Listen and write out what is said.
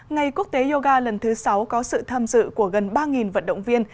ngày quốc tế yoga lần thứ sáu có sự tham dự của gần ba vận động viên